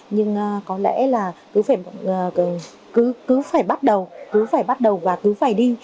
nhưng có lẽ là cứ phải bắt đầu cứ phải bắt đầu và cứ phải đi